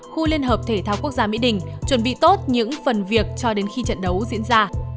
khu liên hợp thể thao quốc gia mỹ đình chuẩn bị tốt những phần việc cho đến khi trận đấu diễn ra